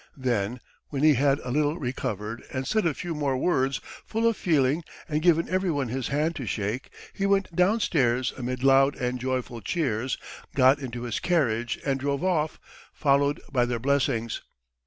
. Then when he had a little recovered and said a few more words full of feeling and given everyone his hand to shake, he went downstairs amid loud and joyful cheers, got into his carriage and drove off, followed by their blessings.